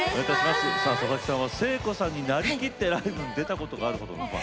佐々木さんは聖子さんになりきってライブに出たことがあるとか。